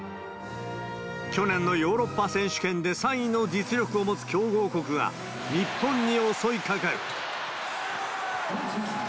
去年のヨーロッパ選手権で３位の実力を持つ強豪国が、日本に襲いかかる。